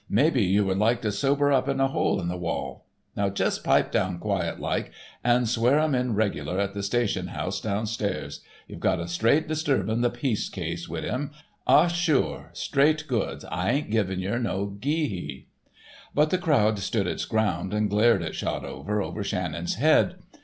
Maybe yer would like to sober up in the 'hole in the wall.' Now just pipe down quiet like, an' swear um in reg'lar at the station house down stairs. Ye've got a straight disturbin' the peace case wid um. Ah, sure, straight goods. I ain't givin' yer no gee hee." But the crowd stood its ground and glared at Shotover over Shannon's head.